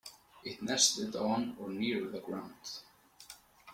It nested on or near the ground.